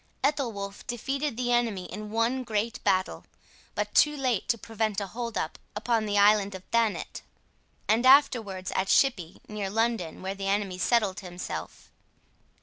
Ethelwolf defeated the enemy in one great battle, but too late to prevent a hold up upon the island of Thanet, and afterwards at Shippey, near London, where the enemy settled himself.